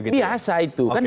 biasa itu kan